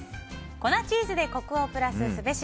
粉チーズでコクをプラスすべし。